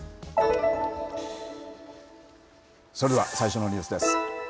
それでは最初のニュースです。